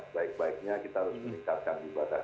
sebaik baiknya kita harus meningkatkan ibadah